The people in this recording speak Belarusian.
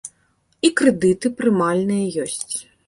І крэдыты прымальныя ёсць.